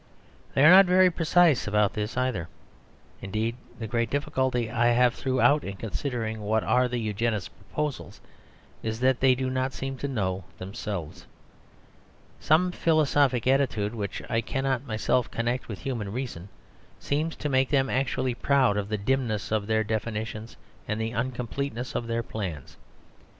They are not very precise about this either; indeed, the great difficulty I have throughout in considering what are the Eugenist's proposals is that they do not seem to know themselves. Some philosophic attitude which I cannot myself connect with human reason seems to make them actually proud of the dimness of their definitions and the uncompleteness of their plans.